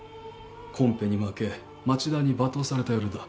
コンペに負け町田に罵倒された夜だ。